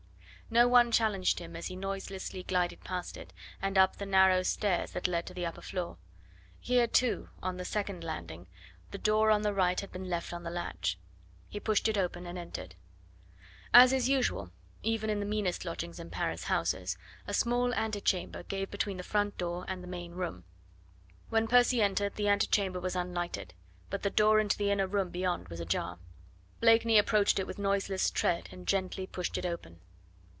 No one challenged him as he noiselessly glided past it, and up the narrow stairs that led to the upper floor. Here, too, on the second landing the door on the right had been left on the latch. He pushed it open and entered. As is usual even in the meanest lodgings in Paris houses, a small antechamber gave between the front door and the main room. When Percy entered the antechamber was unlighted, but the door into the inner room beyond was ajar. Blakeney approached it with noiseless tread, and gently pushed it open.